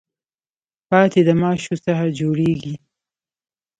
پاتی د ماشو څخه جوړیږي.